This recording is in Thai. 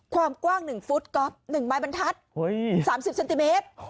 ความกว้างหนึ่งฟุตก็หนึ่งใบบรรทัดโว้ยสามสิบเซนติเมตร